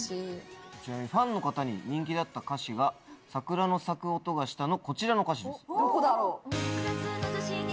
ちなみにファンの方に人気だった歌詞が『桜の咲く音がした』のこちらの歌詞です。